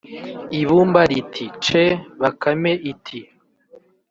ibumba riti: “ce”. bakame iti: